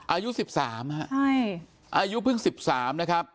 อายุ๑๓นะฮะอายุพึ่ง๑๓นะครับ